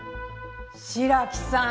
白木さん。